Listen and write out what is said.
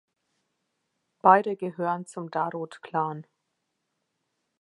Beide gehören zum Darod-Clan.